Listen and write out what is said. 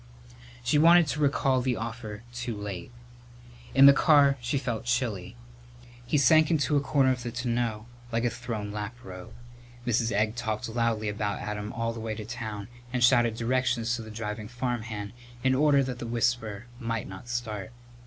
She wanted to recall the offer too late. In the car she felt chilly. He sank into a corner of the tonneau like a thrown laprobe. Mrs. Egg talked loudly about Adam all the way to town and shouted directions to the driving farmhand in order that the whisper might not start.